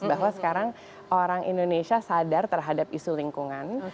bahwa sekarang orang indonesia sadar terhadap isu lingkungan